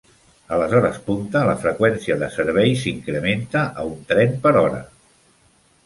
A les hores punta, la freqüència de servei s'incrementa a un tren per hora.